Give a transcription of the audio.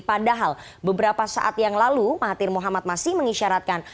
padahal beberapa saat yang lalu mahathir muhammad masih mengisyaratkan